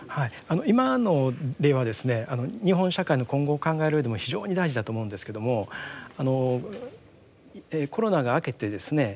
今の例はですね日本社会の今後を考えるうえでも非常に大事だと思うんですけどもあのコロナが明けてですね